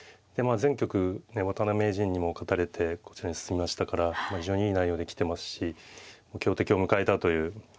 前局渡辺名人にも勝たれてこちらに進みましたから非常にいい内容で来てますし強敵を迎えたという気持ちだと思います。